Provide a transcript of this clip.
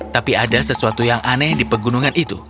tapi ada sesuatu yang aneh di pegunungan itu